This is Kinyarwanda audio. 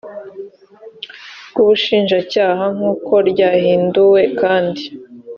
bw ubushinjacyaha nk uko ryahinduwe kandi